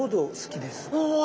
うわ。